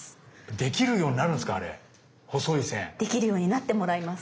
できるようになってもらいます。